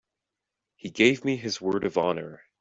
He gave me his word of honor.